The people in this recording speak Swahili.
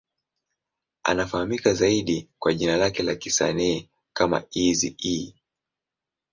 Anafahamika zaidi kwa jina lake la kisanii kama Eazy-E.